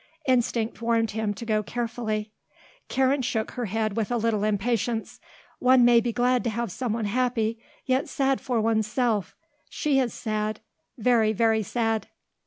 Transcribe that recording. Instinct warned him to go carefully. Karen shook her head with a little impatience. "One may be glad to have someone happy, yet sad for oneself. She is sad. Very, very sad."